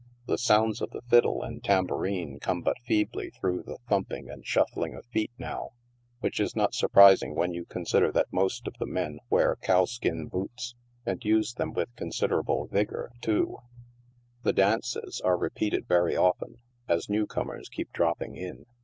The sounds of the fiddle and tambou rine come but feebly through the thumping and shuffling of feet now, which is not surprising when ycu consider that most of the men wear cowskin boots, and use them with considerable vigor, too The dances are repeated very often, as new comers keep drop ping in.